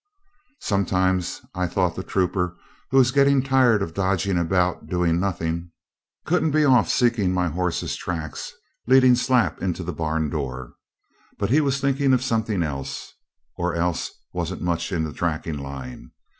Sometimes I thought the trooper, who was getting tired of dodging about doing nothing, couldn't be off seeing my horse's tracks leading slap into the barn door. But he was thinking of something else, or else wasn't much in the tracking line.